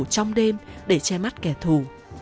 trong đêm để che mắt kẻ thù